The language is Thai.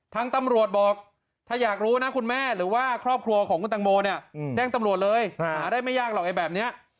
ทางตำรวจบอกถ้าอยากรู้นะคุณแม่หรือว่าครอบครัวของคุณตังโมเนี่ยแจ้งตำรวจเลยหาได้ไม่ยากหรอกไอแบบนี้